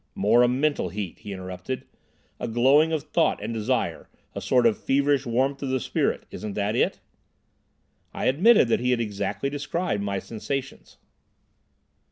"More a mental heat," he interrupted, "a glowing of thought and desire, a sort of feverish warmth of the spirit. Isn't that it?" I admitted that he had exactly described my sensations.